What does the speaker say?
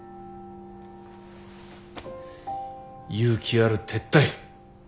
勇気ある撤退。